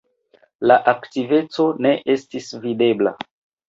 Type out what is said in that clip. La aktiveco ne estis videbla.